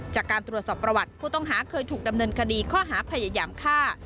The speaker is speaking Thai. จากการตรวจสอบประวัติผู้ต้องหาเคยถูกดำเนินคดีข้อหาพยายามฆ่า